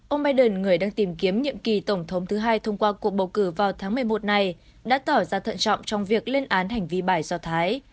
ông biden người đang tìm kiếm nhiệm kỳ tổng thống thứ hai thông qua cuộc bầu cử vào tháng một mươi một này đã tỏ ra thận trọng trong việc lên án hành vi bài do thái